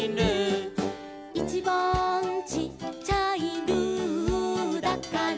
「いちばんちっちゃい」「ルーだから」